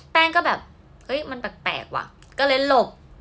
แป้งก็แบบเฮ้ยมันแปลกว่ะก็เลยหลบ